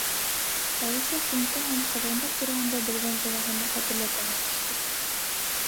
Әлисә ҡумта һәм ҡоҙғондар тураһында белгән генәһен хәтерләргә маташты.